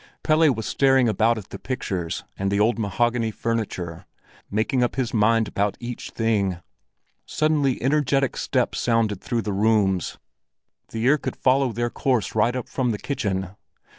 Pelle was staring about at the pictures and the old mahogany furniture, making up his mind about each thing. Suddenly energetic steps sounded through the rooms; the ear could follow their course right up from the kitchen.